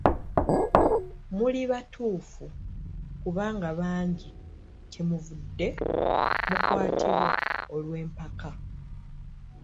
Muli batuufu kubanga bangi kye muvudde mukwatibwa olw'empaka.